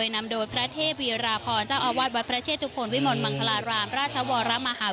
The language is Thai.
นำโดยพระเทพรีราภร